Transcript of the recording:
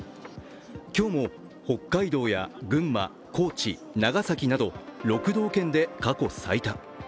今日も北海道や群馬、高知、長崎など６道県で過去最多。